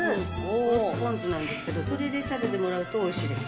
おろしポン酢なんですけどそれで食べてもらうとおいしいです。